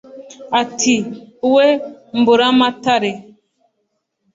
Ati :" We Mburamatare,